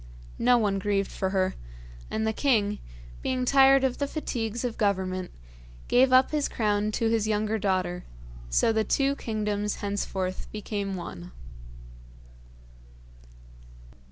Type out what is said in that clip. No one grieved for her, and the king, being tired of the fatigues of Government, gave up his crown to his younger daughter; so the two kingdoms henceforth became one.